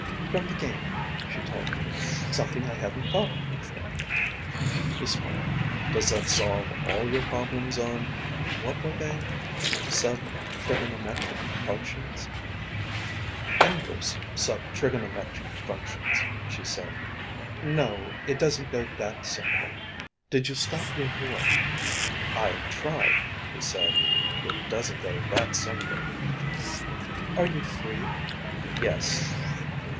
"From the game," she told him. "Something I hadn't thought of before." He smiled. "Does that solve all your problems on what were they sub trigonometric functions?" "Inverse sub trigonometric functions," she said. "No. It doesn't go that simply. Did you stop your war?" "I tried," he said. "It doesn't go that simply." "Are you free?" "Yes."